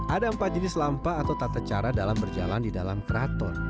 ada empat jenis lampa atau tata cara dalam berjalan di dalam keraton